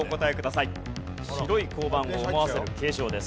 白い交番を思わせる形状です。